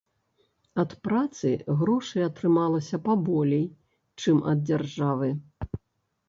Ад працы грошай атрымалася паболей, чым ад дзяржавы.